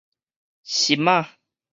心仔